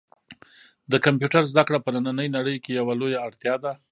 د کمپیوټر زده کړه په نننۍ نړۍ کې یوه لویه اړتیا ده.